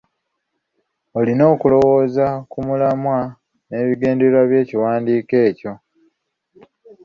Olina okulowooza ku mulamwa n'ebigendererwa by'ekiwandiiko kyo.